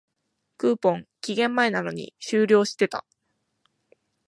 クーポン、期限前なのに終了してた